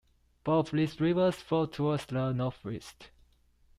Both of these rivers flow towards the northeast.